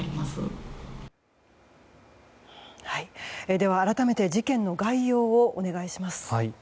では、改めて事件の概要をお願いします。